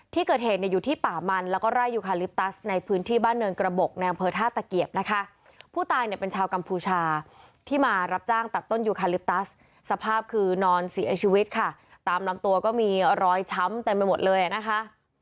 ที่เกิดเหตุอยู่ที่ป่ามันแล้วก็ไล่ยูคาลิปตัสในพื้นที่บ้านเนินกระบบในอำเภอท่าตะเกียบนะคะ